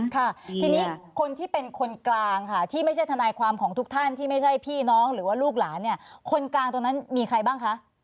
ค่ะทีนี้คนที่เป็นคนกลางค่ะที่ไม่ใช่ทนายความของทุกท่านที่ไม่ใช่พี่น้องหรือว่าลูกหลานเนี่ยคนกลางตรงนั้นมีใครบ้างคะ